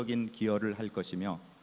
dan juga posco